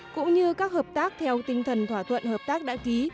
cũng như các hợp tác theo tinh thần thỏa thuận hợp tác đã ký